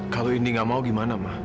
kalau indi gak mau gimana ma